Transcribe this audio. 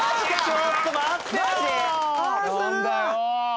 ちょっと待ってよ！